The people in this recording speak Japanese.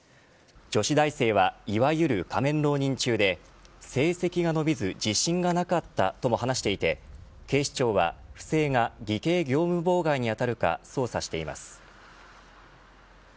女子大生はいわゆる仮面浪人中で成績が伸びず自信がなかったとも話していて警視庁は不正が偽計業務妨害に当たるか捜査しています。